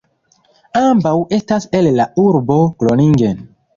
Ambaŭ estas el la urbo Groningen.